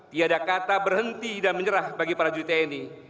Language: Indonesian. tidak ada kata berhenti dan menyerah bagi para judi ini